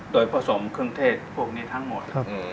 โดยผสมเครื่องเทศพวกนี้ทั้งหมด